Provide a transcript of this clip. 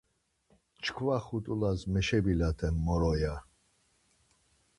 Çkva xut̆ulas meşebilaten, moro ya.